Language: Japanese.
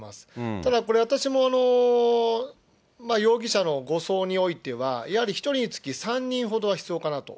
ただこれ、私も容疑者の護送においては、やはり１人につき３人ほどは必要かなと。